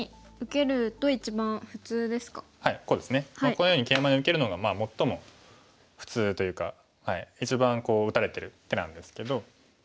このようにケイマで受けるのが最も普通というか一番こう打たれてる手なんですけど。